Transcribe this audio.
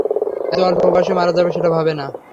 এতো অল্প বয়েসে মারা যাবে সেটা ভাবেনা।